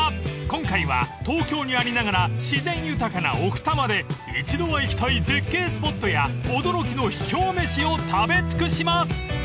今回は東京にありながら自然豊かな奥多摩で一度は行きたい絶景スポットや驚きの秘境飯を食べ尽くします！］